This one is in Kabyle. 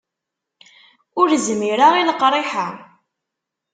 Ur zmireɣ i leqriḥ-a.